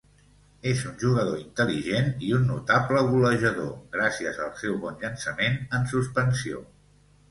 És un jugador intel·ligent i un notable golejador, gràcies al seu bon llançament en suspensió.